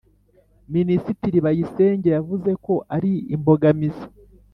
minisitiri bayisenge yavuze ko ari imbogamizi